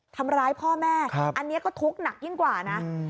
ทำร้ายพ่อแม่อันนี้ก็ทุกข์หนักยิ่งกว่านะ